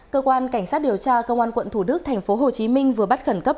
cơ quan cảnh sát điều tra công an quận thủ đức tp hcm vừa bắt khẩn cấp